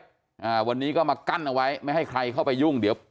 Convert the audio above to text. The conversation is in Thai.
อ่าวันนี้ก็มากั้นเอาไว้ไม่ให้ใครเข้าไปยุ่งเดี๋ยว